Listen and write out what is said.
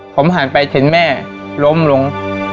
ผมหันไปถึงแม่ล้มลง